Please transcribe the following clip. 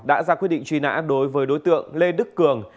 đã ra quyết định truy nã đối với đối tượng lê đức cường